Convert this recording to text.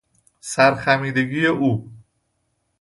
سر خمیدگی او